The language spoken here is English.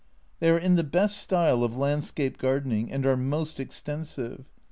They are in the best style of landscape gardening, and are most extensive.